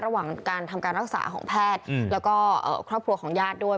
ระหว่างการทำการรักษาของแพทย์แล้วก็ครอบครัวของญาติด้วย